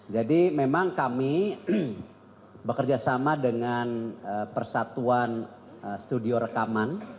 jadi memang kami bekerjasama dengan persatuan studio rekaman